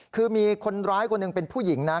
คือมีคนร้ายคนหนึ่งเป็นผู้หญิงนะ